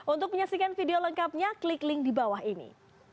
untuk menyaksikan video lengkapnya klik link di bawah ini